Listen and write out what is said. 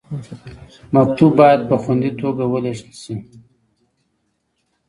مکتوب باید په خوندي توګه ولیږل شي.